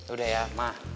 udah ya ma